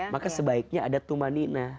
maka sebaiknya ada tumma nina